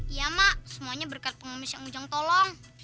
iya mak semuanya berkat pengomis yang ujang tolong